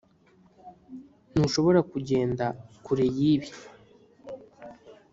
ntushobora kugenda kure yibi.